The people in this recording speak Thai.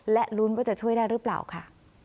และลุ้นว่าจะช่วยได้หรือเปล่าค่ะ